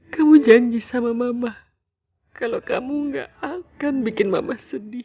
kamu janji sama mama kalau kamu gak akan bikin mama sedih